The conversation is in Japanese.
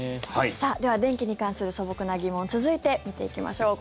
では電気に関する素朴な疑問続いて見ていきましょう。